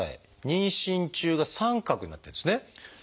妊娠中が「△」になってるんですね。